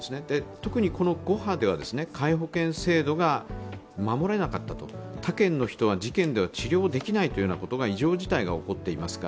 特にこの５波では皆保険制度が守れなかったと、他県の人は自県で治療できないという異常事態が起こっていますか